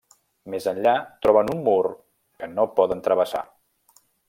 Més enllà troben un mur que no poden travessar.